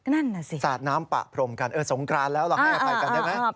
นั่นน่ะสิสาดน้ำปะพรมกันเออสงกรานแล้วเราให้อภัยกันได้ไหม